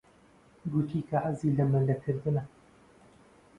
گوتی کە حەزی لە مەلەکردنە.